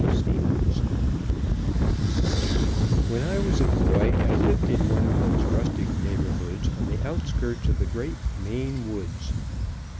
Stephens When I was a boy I lived in one of those rustic neighborhoods on the outskirts of the great "Maine woods."